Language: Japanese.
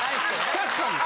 確かに。